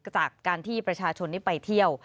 จากการที่ประชาชนที่ไปเที่ยว